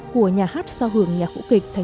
của nhà hát sao hưởng nhạc vũ kịch